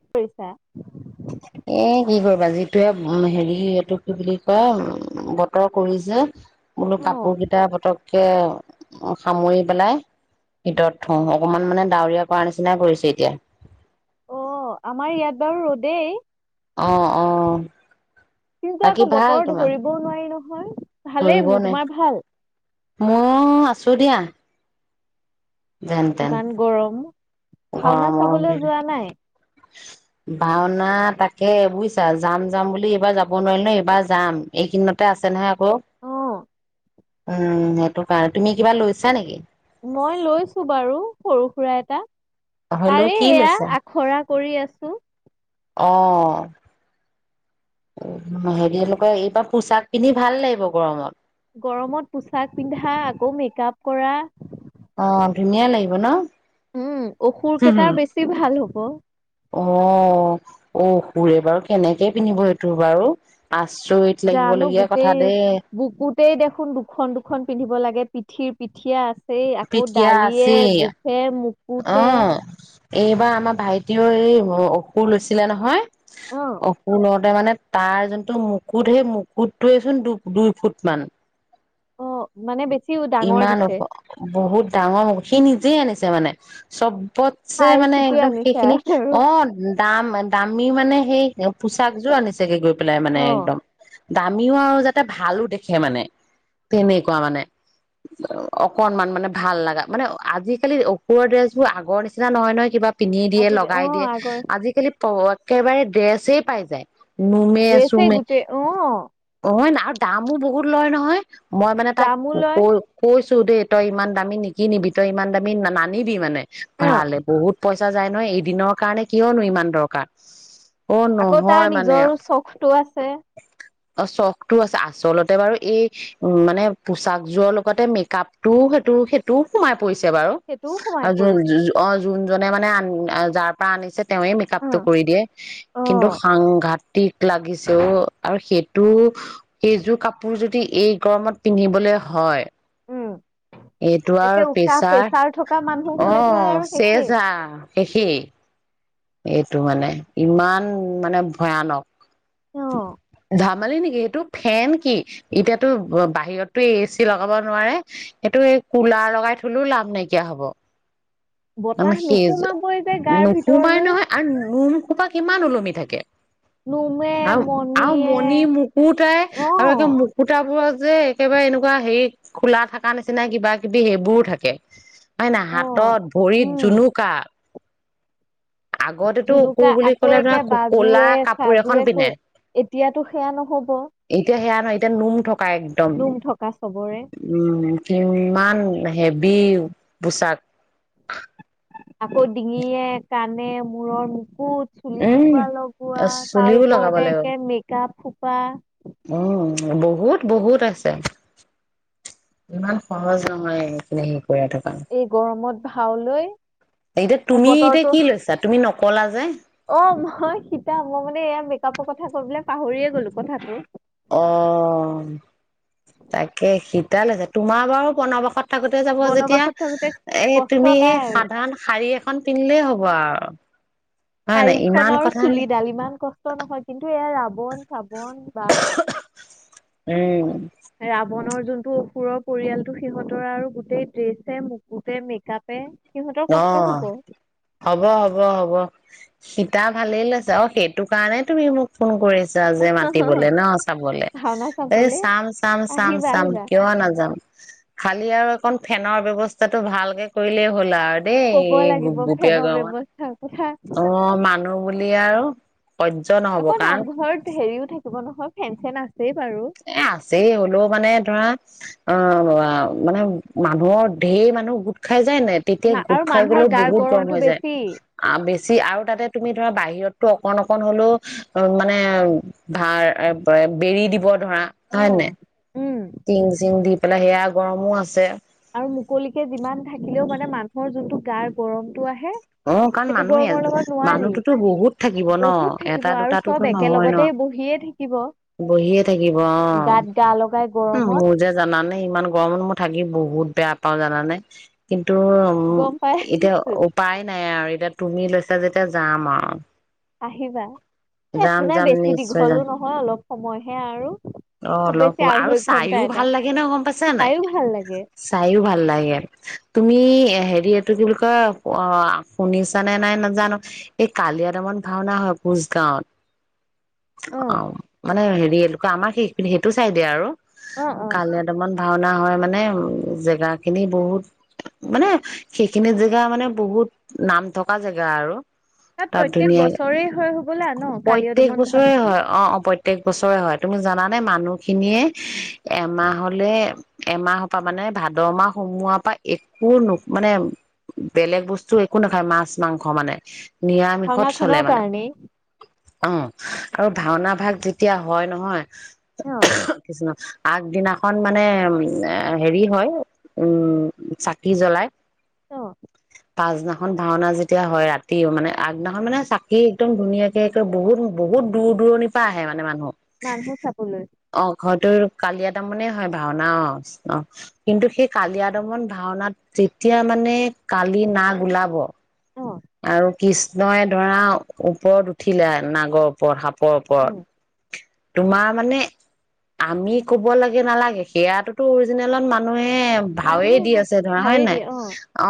কি কৰিছাঁ এ কি কৰিবা যিটোহে হেৰি এইটো কি বুলি কয় উ বতৰ কৰিছে বোলো অ কাপোৰ অ কেইটা পতককে সামৰি পেলাই ভিতৰত থওঁ অকমান মানে ডাৱৰীয়া কৰাৰ নিচিনাই কৰিছে এতিয়া অঁ আমাৰ ইয়াত বাৰু ৰ'দেই অঁ অঁ কিন্তু আকৌ বতৰ ধৰিবও নোৱাৰি ন হয় ধৰিব [unintelligible] মোৰ আ ছো দিয়া যেন তেন ইমান গৰম ভাওনা গৰমৰ চাবলৈ হেৰি। যোৱা নাই ভাওনা তাকে বুজিছা যাম যাম বুলি এইবাৰ যাব নোৱাৰিলো ন এইবাৰ যাম এইকদিনতে আছে নহয় ক অ উম সেইটো কাৰণে তুমি কিবা লৈছা নেকি মই লৈছো বাৰু সৰু সুৰা এটা হলেও পাৰ কি এয়া লৈছা আখৰা কৰি আছো অ হেৰি লোকে এইবাৰ পোচাক পিন্ধি ভাল লাগিব গৰমত গৰমত পোচাক পিন্ধা আকৌ মেক আপ কৰা অ ধুনীয়া লাগিব ন উম অসুৰ কেইটাৰ বেছি ভাল হ'ব অ অ সুৰে বাৰু কেনেকে পিন্ধিব এইটো বাৰু আচৰিত জানো লাগিবলগীয়া কথা গোটেই দেই বুকুতেই দেখোন দুখন দুখন পিন্ধিব লাগে পিঠিৰ পিঠিয়া আছে সেই আকৌ পিঠিয়া দালিয়ে আছেই গোফে অ মুকুতে এইবাৰ আমাৰ ভাইটিও এই অসুৰ লৈছিলে নহয় অ অপুলত মানে তাৰ যোনটো মুকুত সেই মুকুতটোৱে চোন দু দুই ফুট মান অ মানে বেছি ডাঙৰ ইমান দিছে। উখ বহুত ডাঙৰ মু সি নিজে আনিছে যে মানে চব পতছে চাই মানে চিতি একদম আনিছে সেইখিনি আৰু। অ দাম দামী মানে সেই পোচাকযোৰ আনিছেগে গৈ পেলাই অ মানে একদম দামীও আৰু যাতে ভালো দেখে মানে তেনেকুৱা মানে অকনমান মানে ভাল লগা মানে আজিকালি অপুৰৰ ড্ৰেছবোৰ আগৰ নিচিনা নহয় নহয় কিবা পিন্ধি দিয়ে আজি অ লগাই দিয়ে আগৰ আজিকালি তহত একেবাৰে ড্ৰেছেই পাই যায় নোমে ড্ৰেছে চুমে গোটেই অ অ ন দামো বহুত লয় নহয়। মই মানে তাক দামো লয়। কৈছো দেই তই ইমান দামী নিকি নিবি তই ইমান দামী নানিবি মানে অ ভালে বহুত পইচা যায় নয় এদিনৰ কাৰণে কিয়নো ইমান দৰকাৰ অ আকৌ তাৰ নহয় মানে নিজৰ চখটো আছে অ চখ টো আছে আচলতে বাৰু এই উ মানে পোচাক যোৰৰ লগতে মেকআপটো সেইটো সেইটোও সোমাই পৰিছে বাৰু সেইটোও সোমাই আৰু পৰিছে। অ যোনজনে মানে আ যাৰ পৰা আনিছে তেওঁৱে অ। মেকাপটো কৰি দিয়ে অ কিন্তু সাংঘাত টিক লাগিছে অ আৰু সেইটো সেইযোৰ কাপোৰ যদি এই গৰমত পিন্ধিবলে হয়। উম এইটো একে আৰু উশাহ পেচাৰ প্ৰেছাৰ থকা মানুহ হলেতো আৰু আহ শেষেই। চেজা শেষে। এইটো মানে ইমান মানে ভয়ানক অ। ধেমালি নেকি এইটো ফেন কি এতিয়াতো বাহিৰততো এ চি লগাব নোৱাৰে সেইটো এই কুলাৰ লগাই থলেও লাভ নাইকিয়া হব। বতাহ নোসুমাবই যে গাৰ ভিতৰত। তই নহয় আৰু নোম। সোপা কিমান ওলমি থাকে। নোমে আৰু আৰু মণিয়ে মণি মুকুটাই অ আৰু একে মুকুতাবোৰত যে একেবাৰে এনেকুৱা হেৰি খোলা থাকা নিচিনা কিবা কিবি সেইবোৰো থাকে। হয় নাই অ হাতত ভৰিত জুনুকা। আগতেতো অসুৰ জুলুকা বুলি আকৌ ক'লে ধৰা একে কলা বাজোৱে কাপোৰ এখন চাজোৱে ক' পিন্ধে এতিয়াতো সেয়া নহ'ব। এতিয়া সেয়া এতিয়া নোম থ কা একদম নোম থকা চবৰে উম কিমান হে বিউ পোছাক আকৌ ডিঙিয়ে কা মানে মূৰৰ মুকুত। চুলি উম সোপা লগোৱা তাৰ চুলিও লগাব ওপৰতে লাগিব একে মেকআপ বা উম বহুত বহুত আছে ইমান সহজ নহয় এইখিনি থকা এই গৰমত ভাও লৈ এতিয়া তুমি এতিয়া কি লৈছা তুমি ন ক'লা যে অহ মই সীতা মই মানে এয়া মেকআপৰ কথা কথা কবলে পাহৰিয়ে গ'লো কথাটো অ ভাল হৈছে তোমাৰ বাৰু কণবাসত থাকোতে যাব যেতিয়া বনবাসত থাকোতে এ কষ্ট তুমি নাই এই আৰু সাধাৰণ শাৰী এখন পিন্ধিলেই হ'ব আৰু। হয় নাই শাৰীখন ইমান আৰু কথা নাই চুলিডাল ইমান কষ্ট নহয় কিন্তু এয়া ৰাব বন চাবন বা উম ৰা বনৰ যোনটো অসুৰৰ পৰিয়ালটো সিহঁতৰ আৰু গোটেই ড্ৰেছে মুকুটে মেক আপে অহ, হ'ব, হ'ব, হ'ব। সীতা ভালেই লৈছে অহ, সেইটো কাৰণে তুমি মোক ফোন কৰিছ যে মাতিবলে ন' চাবলে ভাওনা এই চাবলে চাম, চাম, চাম, আহিবা চাম, আহিবা কিয় নাযাম। খালি আৰু অকন ফেনৰ ব্যৱস্থাটো ভালকে কৰিলে হ'ল আ দেই কব এই লাগিব গোপিয় ফেনৰ গাঁৱত ব্যৱস্থাৰ কথা অ', মানুহ বুলি আৰু সহ্য নহব আকৌ কাৰণ নামঘৰত হেৰিও থাকিব নহয় ফেন হেনা এ আছেই হ'লেও মানে ধৰা অ', মানে মানুহৰ ঢেৰ মানুহ গোট খাই যায় নাই তেতিয়া মা- গোট আৰু খাই মানুহৰ গ'লেও গাৰ বহুত গৰম গৰমটো হৈ যায় বেছি আ, বেছি ছি আৰু তাতে তুমি ধৰা বাহিৰতটো অকন অকন হ'লেও মানে ভাৰ বেৰি দিব ধৰা অ হয়নে উম টিং চিং দি পেলাই সেয়া গৰমো আছে। আৰু মুকলিকে যিমান থাকিলেও মানে মানুহৰ যোনটো গাৰ গৰম অ কাৰণ মানুহে নোৱাৰি মানুহটোতো বহুত থাকিব ন বহুত থাকিব এটা আৰু চব দুটাতোতো নহয় ন একেলগতে বহিয়ে থাকিব বহিয়ে থাকিব অ গাত গা লগাই উ গৰমত মোৰ যে জানানে ইমান গৰম মই থাকি বহুত বেয়া পাওঁ জানানে কিন্তু গম ত এতিয়া পাইছো পাই নাই আৰু এতিয়া তুমি লৈছা যেতিয়া যাম আৰু আহিবা এ, একো যাম নাই যাম বেছি নিশ্চয় দীঘলো যাম নহয় অলপ সময়হে আৰু অ খুব অলপ বেছি সমম আৰু আঢ়ৈ ঘন্টা চাইও এটা ভাল লাগে ন গম পাইছা নাই চাইও ভাল লাগে চাইও ভাল লাগে তুমি হেৰি এইটো কি বুলি কয় অ শুনিছানে নাই নাজানো এই কালিয় দমন ভাওনা হয় কোচ গাঁৱত অ মানে হেৰি এনেকুৱা আমাৰ সেই সেইটো চাইডে আৰু অ অ কালিদামমান ভাওনা হয় মানে উ জেগা খিনি বহুত মানে সেইখিনি জেগা মানে বহুত নাম থকা জেগা আৰু তাত প্ৰত্যেক ধুনীয়া বছৰেই হয় হবলা ন কালীয় প্ৰত্যক দমন বছৰে ভাওনাখন হয় অ অ প্ৰত্যেক বছৰে হয় তুমি জানানে মানুহখিনিয়ে এমাহলে এমাহৰ পৰা মানে ভাদ মাহ সোমোৱাৰ পৰা একো ন মানে বেলেগ বস্তু একো নাখায় মাছ মাংস মানে নিৰামিষত চলে ভাওনাখনৰ মানে কাৰণেই অ আৰু ভাওনা ভাগ যেতিয়া হয় নহয়। অ কৃষ্ণ আগদিনাখন মানে উ হেৰি হয় উম চাকি জ্বলাই অ পাছদিনাখন ভাওনা যেতিয়া হয় ৰাতিও মানে আগদিনাখন মানে চাকি একদম ধুনীয়াকে বহুত বহুত দূৰ দূৰণিৰ পৰা আহে মানে মানুহ মানুহ চাবলৈ অ ঘৰটোৰ কালিয়াত ত মানে হয় ভাওনা অ অ কিন্তু সেই কালীয়া দমন ভাওনাত যেতিয়া মানে কালি নাগ ওলাব অ আৰু কৃষ্ণই ধৰা ওপৰত উঠিলে নাগৰ ওপৰত সাপ প উম ওপৰত তোমাৰ মানে, আমি কব লাগে নালাগে সেয়াতোতো অৰিজিনেলত মানুহ সেয়াই ভাৱে মানুহে দি হয়, আছে ধৰা হয় ভাৱে নাই? দিয়ে অ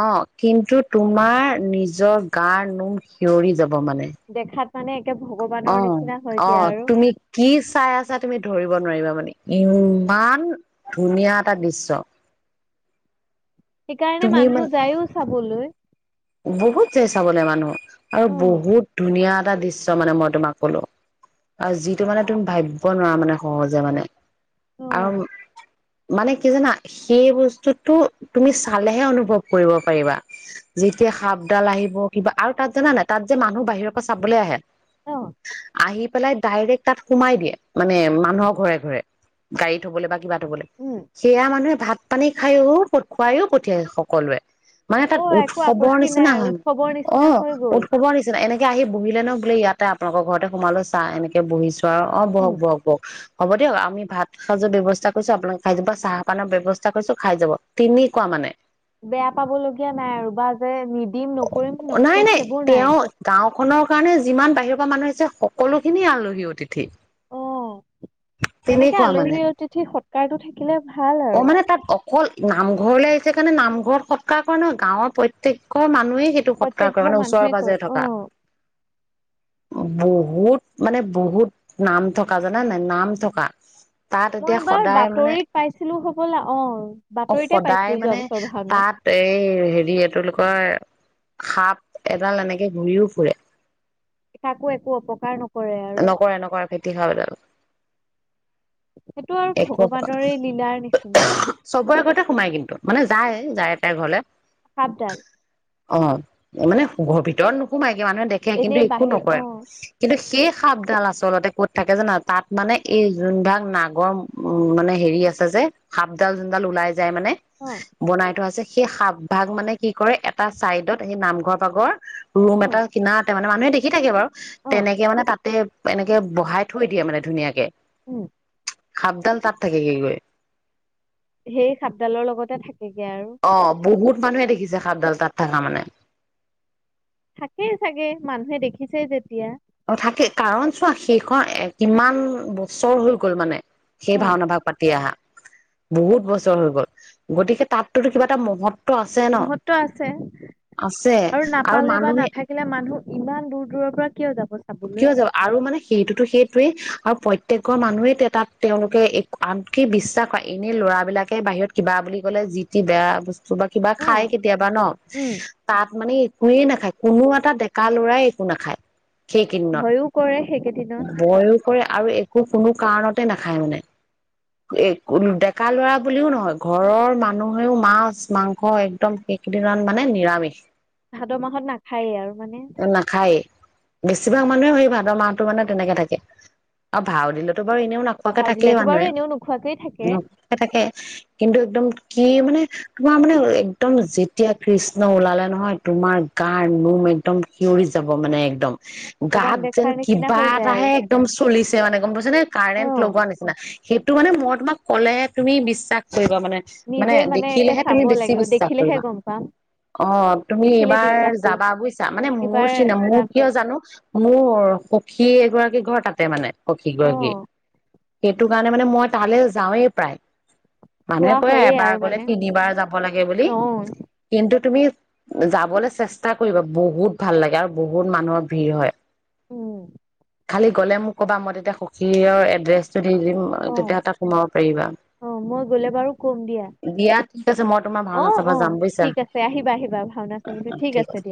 অ। কিন্তু তোমাৰ নিজ নিজৰ গা নোম শিয়ঁৰি যাব। ব মানে। দেখাত মানে একে ভগৱানৰ অ, নিচিনা হয়গে অ, আৰু তুমি কি চাই আছা তুমি ধৰিব ব নোৱাৰিবা মানে ইমান ধুনীয়া এটা দৃশ্য। সেইকাৰণে তুমি মানুহো মানে যায়ো চাবলৈ। বহুত যায় চাবলৈ মানুহ আৰু অ বহুত ধুনীয়া এটা দৃশ্য মানে মই তোমাক ক'লো। আৰু যিটো মানে তুমি ভাবিব নোৱাৰা মানে সহজে মানে। অ আৰু মানে কি জানা, সেই বস্তুটো তুমি চালেহে অনুভৱ কৰিব পাৰিবা। যেতিয়া সাপডাল আহিব কিবা আৰু তাত জান নাই তাত যে মানুহ বাহিৰৰ পৰা চাবলৈ আহে। অ আহি পেলাই ডাইৰেক্ট তাত সোমাই দিয়ে। মানে মানুহৰ ঘৰে ঘৰে গাড়ী থ'বলৈ বা কিবা। থবলৈ। উম সেয়া মানুহে ভাত পানী খায়োও, খুৱাইও পঠিয়াই সকলোৱে। মানে অ তাত একো সবৰ আপত্তি নিচিনা নাই হয়। উৎসৱৰ অ নিচিনা হৈ গ'ল উৎসৱৰ নিচিনা এনেকে আহি বহিলে ন বোলে। ইয়াতে আপোনালোকৰ ঘৰতে সোমালো চা এনেকে বহিছো। অ, উম বহক, বহক, বহক। হ'ব দিয়ক। আমি ভাত খাজৰ ব্যৱস্থা কৰিছো আপোনাক খাই যাব। চাহপানৰ ব্যৱস্থা কৰিছো খাই যাব। তেনেকুৱা মানে। বেয়া পাবলৈক য়া নাই আৰু বা যে নিদিম নকৰিম নাই নথম নাই সেইবোৰ নাই। মানু্হ আহিছে সকলোখিনি আলহী অতিথি। অ তেনেকে তেনেকুৱা মানে আলহী অতিথি সৎকাৰটো থাকিলে ভাল অ আৰু। মানে তাত অকল নামঘৰলৈ আহিছে কাৰণে নামঘৰত সৎকাৰ নহয় গাঁওৰ প্ৰত্যেক ঘৰ মানুহেই সেইটো প্ৰত্যেক সৎকাৰ কৰে ঘৰ মানে ওচৰৰে মানুহে কৰে পাজৰে থকা। অ', বহুত মানে বহুত নাম থকা জানা নাই? নাম থকা। তাত মই এতিয়া এবাৰ সদায় মানে বাতৰিত পাইছিলো হ'বলা? অ বাতৰিতে সদায় পাইছিলো মানে যোৱা বছৰ ভাওনাত। তাত এই হেৰি এটোলোকৰ সাপ এডাল এনেকে ঘুৰিও ফুৰে। কাকো একো অপকাৰ নক নকৰে নকৰে তি খাব ল সেইটো আৰু ভগৱানৰে লীলাৰ নিচিনা চবৰে ঘৰতে সোমাই কিন্তু মানে যায় যায় তাই ঘৰলে সাবডাল অ মানে সুৰ ভিতৰত নোসোমাই মানুহে দেখে কিন্তু এনেই একো বাহিৰ নকৰে অ', কিন্তু কি সাপডাল আচলতে কত থাকে জানা তাত মানে এই যোনভাগ নাগৰ উ মানে হেৰি আছে যে সাপডাল যোনডাল ওলাই যাই মানে অ', বনাই থোৱাছে সেই সাপ ভাগ মানে কি কৰে এটা চাইডত সেই নামঘৰ ভাগৰ ৰুম উম, এটা কিনা মানে মানুহে দেখি থাকে বাৰু অ', তেনেকে মানে তাত এনেকে বহাই থৈ দিয়ে মানে ধুনীয়াকে উম খাপডাল তাত থাকে কি গৈ সেই সাপডালৰ লগতে থাক, হেইগে আৰু। অ বহুত মানুহে দেখিছে সাপডাল তাত থাকা মানে, - থাকেই চাগে মানুহে দেখিছে যেতিয়া। অ ', থাকে কাৰণ চোৱা সেইখন কিমান বছৰ হৈ গল মানে। সেই অ', ভাওনা- ভাগ পাতি আহা। বহুত বছৰ হৈ গ'ল গতিকে তাতটোতো কিবা এটা মহত, মহত্ব আছে আছে আৰু নাপালে বা নাথাকিলে মানুহ ইমান দূৰ- দূৰৰ পৰা, কিয় যাব চাবলৈ। কিয় যাব আৰু মানে সেইটোতো, সেইটোৱেই, আৰু প্ৰত্যেক ঘৰ মানুহে তেতাত তেওঁলোকে আনকি বিশ্বাস কৰে এনে ল'ৰাবিলাকে বাহিৰত কিবা বুলি কলে যি, টি বেয়া বস্তু বা, কিবা খাই অ', কেতিয়াবা ন', উম তাত মানে, হোয়ে নাখায় কোনো এটা ডেকা লৰাই একো নাখায়। সেই কেইদিনত। ভয়ো কৰে সেইকেইদিনত বয়ো কৰে আৰু একো, কোনো কাৰণতে নাখায় মানে ডেকা- লৰা বুলিও নহয় ঘৰৰ মানুহেও মাছ- মাংস একদম সেইকেইদিনমান মানে নিৰামিষ। ভাদ- মাহত নাখায়েই আৰু মানে। নাখায়েই বেছিভাগ মানুহে সেই ভাদৰ মাহতো মানে তেনেকে থাকে আৰু ভাও দিলেতো, এইবোৰ এনেও নোখোৱাকে ভাও থাকেই দিলেতো বাৰু মানুহে। এনেও নোখোৱাকেই থাকে নোখোৱাকে থাকে কিন্তু একদম কি মানে, তোমাৰ মানে একদম যেতিয়া কৃষ্ণ ওলালে নহয়, তোমাৰ গাৰ নোম একদম সিঞৰি যাব মানে একদম। ভগৱান গাত যেন দেখাৰ নিচিনা কিবা হৈ যায় আৰু এটাহে একদম চলিছে মানে গম পাইছে নে, কাৰেণ্ট অ', লগোৱা নিচিনা। সেইটো মানে মই তোমাক ক'লে তুমি বিশ্বাস, কৰিবা মানে, মানে নিজে একে দেখিলেহে তুমি চাব বেছি লাগিব বিশ্বাস দেখিলেহে কৰিবা। গম পাম অ ', তুমি দেখিলে এইবাৰ বিশ্বাস কৰিম যাবা বুজিছা মানে মোৰ এইবাৰ চি', মোৰ যাম দে কিয়, মোৰ সখী, এগৰাকী ঘৰ তাতে মানে সখী অ গৰাকী সেইটো কাৰণে মানে মই তালৈ যাওঁৱেই প্ৰায়। মানুহে চোৱা কয় হয়ে এবাৰ আৰু গলে মানে তিনিবাৰ যাব লাগে বুলি। অ কিন্তু, তুমি যাবলৈ চেষ্টা কৰিবা বহুত ভাল লাগে, আৰু বহুত মানুহৰ, ভিৰ হয়। উম', খালি গ'লে মোক ক'বা মই তেতিয়া সখীয়ৰ এড্ৰেছ, দি দিম অ তেতিয়া তাত সোমাব পাৰিবা। অ মই গ'লে বাৰু কম দিয়া ঠিক আছে মই তোমাৰ অ ভাওনা চাব অ যাম বুজিছা। ঠিক আছে আহিবা আহিবা ভাওনা চাবলৈ ঠিক আছে। দিয়া